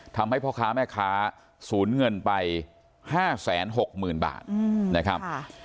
ทำให้พ่อค้ามพ์แม่ค้าสูญเงินไปห้าแสนหกหมื่นบาทนะครับ